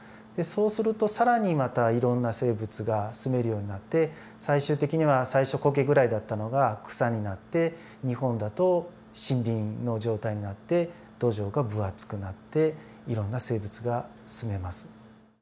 そうすると更にまたいろんな生物が住めるようになって最終的には最初コケぐらいだったのが草になって日本だと森林の状態になって土壌が分厚くなっていろんな生物が住めます。